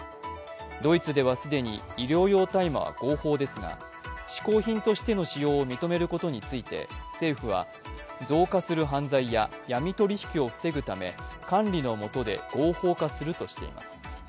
ドイツでは既に医療用大麻は合法ですがしこう品としての使用を認めることについて、政府は、増加する犯罪や闇取引を防ぐため管理のもとで合法化するとしています。